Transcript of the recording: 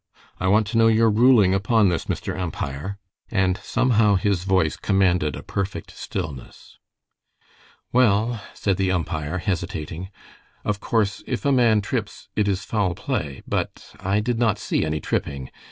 "I want to know your ruling upon this, Mr. Umpire"; and somehow his voice commanded a perfect stillness. "Well," said the umpire, hesitating, "of course if a man trips it is foul play, but I did not see any tripping.